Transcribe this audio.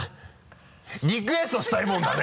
「リクエストしたいものだね！」